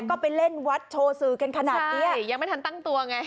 ก็ไปเล่นวัดโชว์สื่อกันขนาดนี้ยังไม่ทันตั้งตัวไง